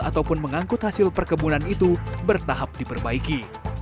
ataupun mengangkut hasil perkebunan itu bertahap diperbaiki